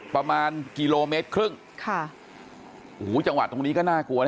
ประมาณกิโลเมตรครึ่งค่ะโอ้โหจังหวะตรงนี้ก็น่ากลัวนะ